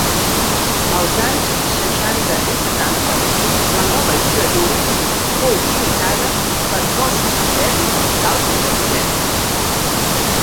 Als anys seixanta i setanta, la nova lligadura fou imitada per cossos d'elit d'altres exèrcits.